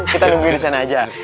kita nunggu di sana aja